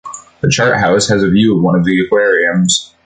The Chart House has a view of one of the aquariums.